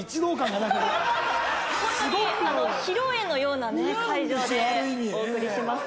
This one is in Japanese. ほんとに披露宴のような会場でお送りします。